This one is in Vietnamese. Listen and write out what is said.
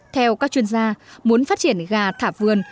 theo các chuyên gia muốn phát triển gà thả vườn